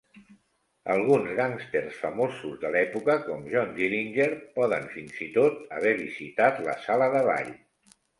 Alguns gàngsters famosos de l'època com John Dillenger poden fins i tot haver visitat la sala de ball.